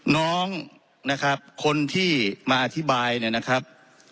น้องนะครับคนที่มาอธิบายเนี่ยนะครับ